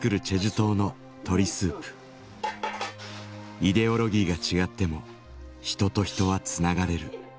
「イデオロギーが違っても人と人はつながれる」